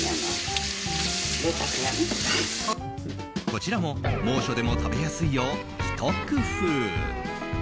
こちらも猛暑でも食べやすいよう、ひと工夫。